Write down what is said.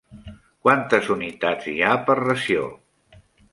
Quantes unitats hi ha per ració?